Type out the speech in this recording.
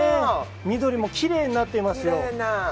緑もきれいになっていますよ。